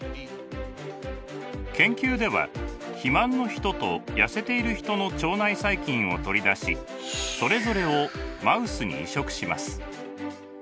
研究では肥満のヒトと痩せているヒトの腸内細菌を取り出しそれぞれをマウスに移植します。